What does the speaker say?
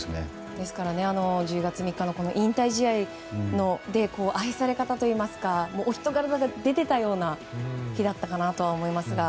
ですから１０月３日の引退試合で愛され方といいますかお人柄が出てたような日だったと思います。